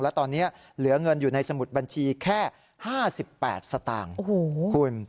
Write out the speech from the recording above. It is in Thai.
และตอนนี้เหลือเงินอยู่ในสมุดบัญชีแค่๕๘สตางค์คุณ